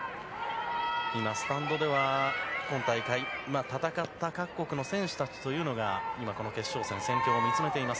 スタンドでは今大会戦った各国の選手たちがこの決勝戦戦況を見つめています。